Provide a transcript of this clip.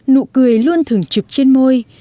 nụ cười luôn thưởng trực trên môi